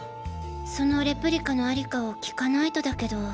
そのレプリカのありかを聞かないとだけど。